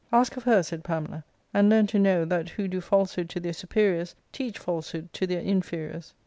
'* Ask of her," said Pamela ; "and learn to know that who do falsehood to their superiors teach falsehood to their inferiors."